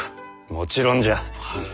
もちろんじゃ。